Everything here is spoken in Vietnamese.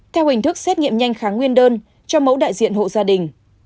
theo hình thức xét nghiệm nhanh kháng nguyên đơn cho mẫu đại diện hộ gia đình